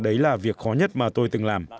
đấy là việc khó nhất mà tôi từng làm